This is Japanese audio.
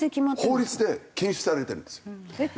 法律で禁止されてるんですよ。